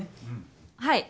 はい。